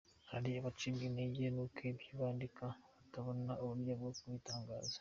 Hari abacibwa intege n’uko ibyo bandika batabona uburyo bwo kubitangaza.